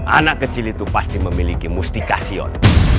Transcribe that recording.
anak kecil itu pasti memiliki mustikasion